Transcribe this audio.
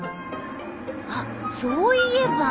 あっそういえば。